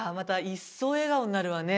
一層笑顔になるわね。